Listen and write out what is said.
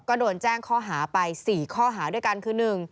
ก็โดนแจ้งข้อหาไป๔ข้อหาด้วยกันคือ๑